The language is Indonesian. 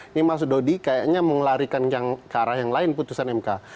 ini mas dodi kayaknya mengelarikan yang ke arah yang lain putusan mk